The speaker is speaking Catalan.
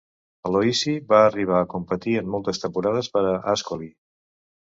Aloisi va arribar a competir en moltes temporades per a Ascoli.